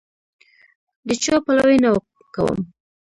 د چا پلوی نه کوم.